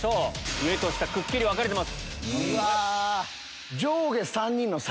上と下くっきり分かれてます。